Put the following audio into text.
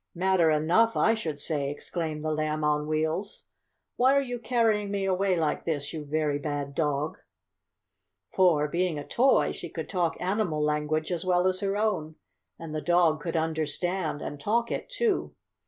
Matter enough I should say!" exclaimed the Lamb on Wheels. "Why are you carrying me away like this, you very bad dog?" For, being a toy, she could talk animal language as well as her own, and the dog could understand and talk it, too.